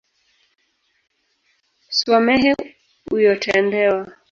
Swamehe uyotendewa.